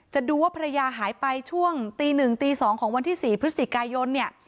จะดูว่าภรรยาหายไปช่วงตีหนึ่งตีสองของวันที่สี่พฤศจิกายนเนี้ย